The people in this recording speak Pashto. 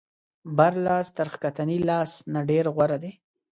بر لاس تر ښکتني لاس نه ډېر غوره دی.